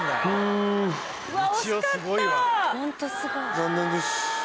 残念です。